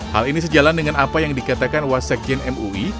hal ini sejalan dengan apa yang dikatakan wasakjen mui